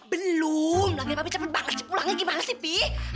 belum lagian papi cepet banget sih pulangnya gimana sih pi